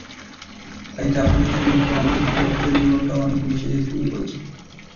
তাই জাপানিজদের মতো আমাদের প্রবাসীদের জীবনটাও অনেকটা মিশে যেতে শুরু করেছে।